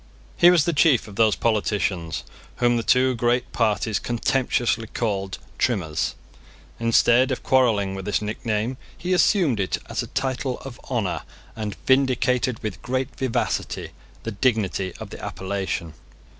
He was the chief of those politicians whom the two great parties contemptuously called Trimmers. Instead of quarrelling with this nickname, he assumed it as a title of honour, and vindicated, with great vivacity, the dignity of the appellation.